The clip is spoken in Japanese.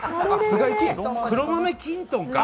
黒豆きんとんか。